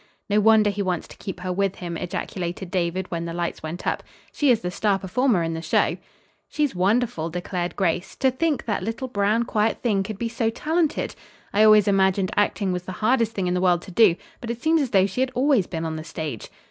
"No wonder he wants to keep her with him," ejaculated David when the lights went up. "She is the star performer in the show." "She is wonderful," declared Grace. "To think that little, brown, quiet thing could be so talented! I always imagined acting was the hardest thing in the world to do, but it seems as though she had always been on the stage."